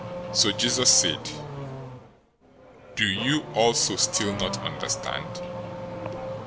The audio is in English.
015:016 So Jesus said, "Do you also still not understand?